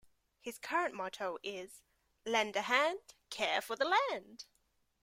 His current motto is Lend a hand - care for the land!